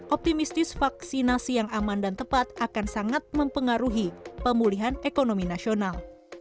optimistis vaksinasi yang aman dan tepat akan sangat mempengaruhi pemulihan ekonomi nasional